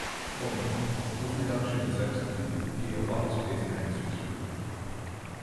Formally, this reduction is executed via a log-space transducer.